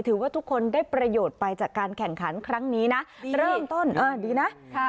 ถือว่าทุกคนได้ประโยชน์ไปจากการแข่งขันครั้งนี้นะเริ่มต้นดีนะ